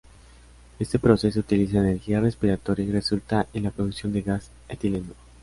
Este proceso utiliza energía respiratoria y resulta en la producción de gas etileno.